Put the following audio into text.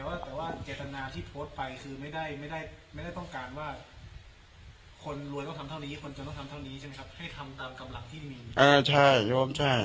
คนรวยต้องทำเท่านี้คนจนต้องทำเท่านี้ใช่ไหมครับให้ทำตามกำหลังที่มี